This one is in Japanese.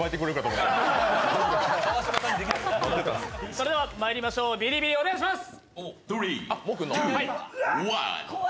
それではまいりましょう、ビリビリお願いします。